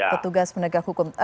ketugas penegak hukum